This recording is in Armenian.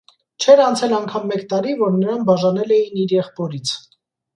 Չէր անցել անգամ մեկ տարի, որ նրան բաժանել էին իր «եղբորից»։